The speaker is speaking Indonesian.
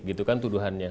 gitu kan tuduhannya